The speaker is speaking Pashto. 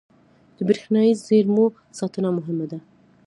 • د برېښنايي زېرمو ساتنه مهمه ده.